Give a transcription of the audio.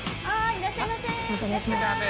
いらっしゃいませ！